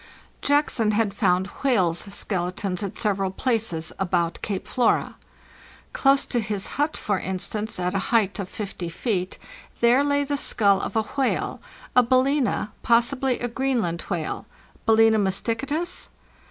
Jackson had found whales' skeletons at several places about Cape Flora. Close to his hut, for instance, at a height of 50 feet, there lay the skull of a whale, a daZena, possibly a Greenland whale (Balena mysticetus?).